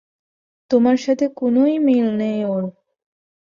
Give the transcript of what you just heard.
তোমার সাথে কোনোই মিল নেই ওর।